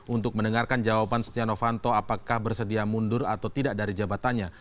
untuk mendengarkan jawaban setia novanto apakah bersedia mundur atau tidak dari jabatannya